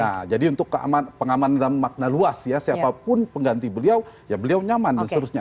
nah jadi untuk keamanan dalam makna luas ya siapapun pengganti beliau ya beliau nyaman dan seterusnya